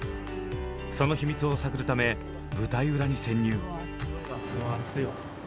その秘密を探るため舞台裏に潜入！